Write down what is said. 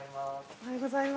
おはようございます。